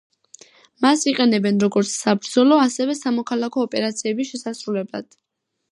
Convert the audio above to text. მას იყენებენ როგორც საბრძოლო, ასევე სამოქალაქო ოპერაციების შესასრულებლად.